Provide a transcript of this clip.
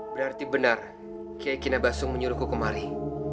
berarti benar kiai kinabasung menyuruhku kemari